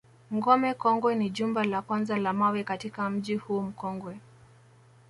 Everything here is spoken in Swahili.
Ngome Kongwe ni jumba la kwanza la mawe katika mji huu mkongwe